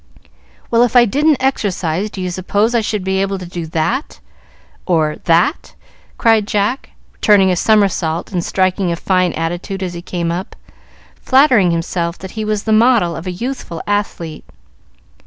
"Well, if I didn't exercise, do you suppose I should be able to do that or that?" cried Jack, turning a somersault and striking a fine attitude as he came up, flattering himself that he was the model of a youthful athlete.